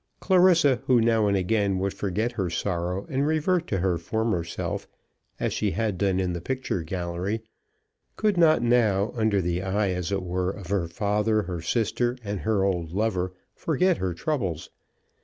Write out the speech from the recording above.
Clarissa, who now and again would forget her sorrow and revert to her former self, as she had done in the picture gallery, could not now, under the eye as it were of her father, her sister, and her old lover, forget her troubles.